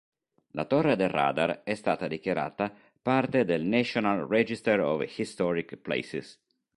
La torre del radar è stata dichiarata parte del National Register of Historic Places.